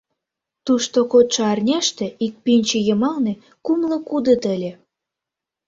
Тушто кодшо арняште ик пӱнчӧ йымалне кумло кудыт ыле.